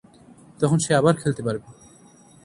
তখন সে আবার খেলতে পারবে।